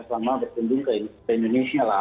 selama berkunjung ke indonesia lah